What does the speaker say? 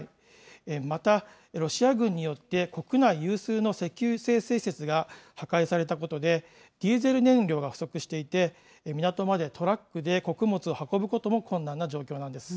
また、ロシア軍によって、国内有数の石油精製施設が破壊されたことで、ディーゼル燃料が不足していて、港までトラックで穀物を運ぶことも困難な状況なんです。